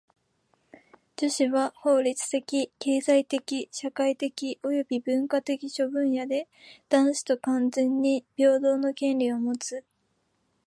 女子は法律的・経済的・社会的および文化的諸分野で男子と完全に平等の権利をもつ。